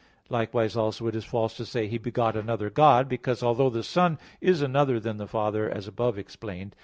Likewise also it is false to say, "He begot another God," because although the Son is another than the Father, as above explained (Q.